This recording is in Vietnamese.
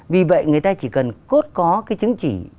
vì vậy người ta chỉ cần cốt có cái chứng chỉ